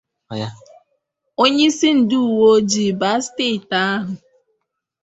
onyeisi ndị uweojii ba steeti ahụ